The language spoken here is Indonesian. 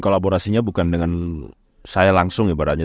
kolaborasinya bukan dengan saya langsung ibaratnya